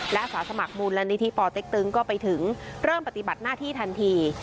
และสาสมัครมูลนิธิปอเต็กตึงก็ไปถึงเริ่มปฏิบัติหน้าที่ทันที